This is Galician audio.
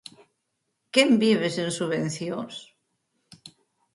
Quen vive sen subvencións?